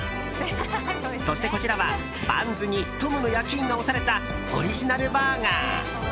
そして、こちらはバンズにトムの焼き印が押されたオリジナルバーガー。